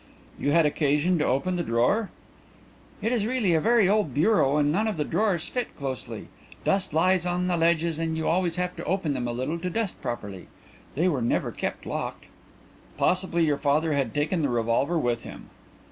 "You had occasion to open the drawer?" "It is really a very old bureau and none of the drawers fit closely. Dust lies on the ledges and you always have to open them a little to dust properly. They were never kept locked." "Possibly your father had taken the revolver with him."